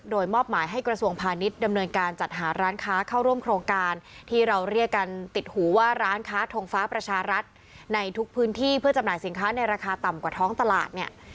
โดยมอบหมายให้กระทรวงพาณิชย์ดำเนินการจัดหาร้านค้าเข้าร่วมโครงการที่เราเรียกกันติดหูว่าร้านค้าทงฟ้าประชารัฐในทุกพื้นที่เพื่อจำหน่ายสินค้าในราคาต่ำกว่าท้องตลาดเนี่ย